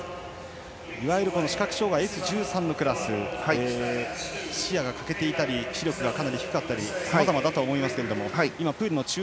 いわゆる視覚障がいＳ１３のクラス視野が欠けていたり視力がかなり低かったりさまざまだと思います。